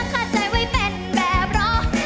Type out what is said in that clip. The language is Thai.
ตั้งข้อใจไว้เป็นแบบร้อย